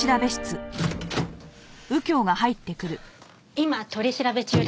今取り調べ中です。